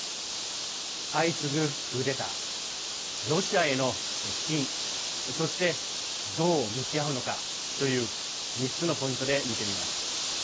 相次ぐクーデターロシアへの接近そして、どう向き合うのかという３つのポイントで見てみます。